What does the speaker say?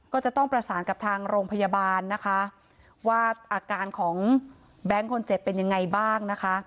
ก็จะต้องประสานกับทางโรงพยาบาลนะคะว่าอาการของแบงค์คนเจ็บเป็นยังไงบ้างนะคะ